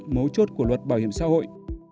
mấu chốt của luật bảo hiểm xã hội